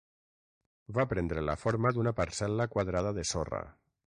Va prendre la forma d'una parcel·la quadrada de sorra.